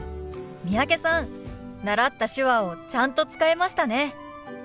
三宅さん習った手話をちゃんと使えましたね。